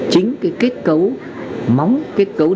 chính cái kết cấu móng kết cấu